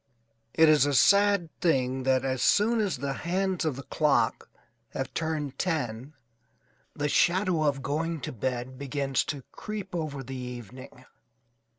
It is a sad thing that as soon as the hands of the clock have turned ten the shadow of going to bed begins to creep over the evening.